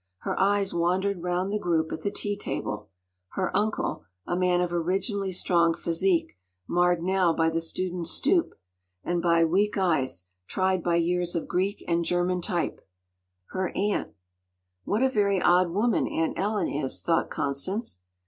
Her eyes wandered round the group at the tea table, her uncle, a man of originally strong physique, marred now by the student’s stoop, and by weak eyes, tried by years of Greek and German type; her aunt— “What a very odd woman Aunt Ellen is!” thought Constance.